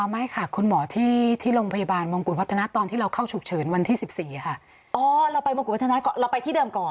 ไม่ค่ะคุณหมอที่โรงพยาบาลมงกุฎวัฒนาตอนที่เราเข้าฉุกเฉินวันที่๑๔ค่ะอ๋อเราไปมงกุฎวัฒนาก่อนเราไปที่เดิมก่อน